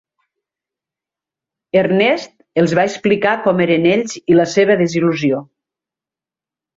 Ernest els va explicar com eren ells i la seva desil·lusió.